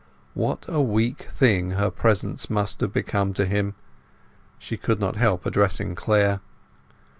What a weak thing her presence must have become to him! She could not help addressing Clare.